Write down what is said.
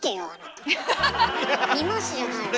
「見ます」じゃないわよ。